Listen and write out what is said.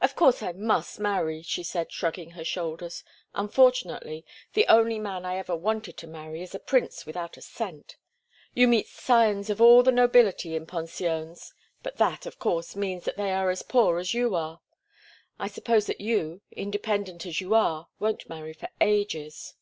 "Of course I must marry," she said, shrugging her shoulders. "Unfortunately, the only man I ever wanted to marry is a prince without a cent—you meet scions of all the nobility in pensions; but that, of course, means that they are as poor as you are. I suppose that you—independent as you are—won't marry for ages?"